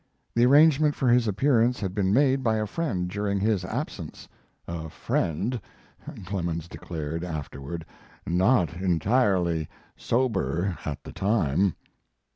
The arrangement for his appearance had been made by a friend during his absence "a friend," Clemens declared afterward, "not entirely sober at the time."